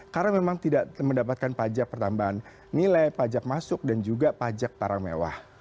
karena memang tidak mendapatkan pajak pertambahan nilai pajak masuk dan juga pajak parang mewah